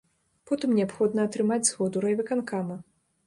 Потым неабходна атрымаць згоду райвыканкама.